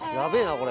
これ。